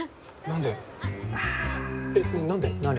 何で？